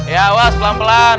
ya was pelan pelan